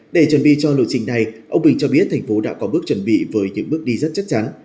để chuẩn bị cho lộ trình này ông bình cho biết thành phố đã có bước chuẩn bị với những bước đi rất chắc chắn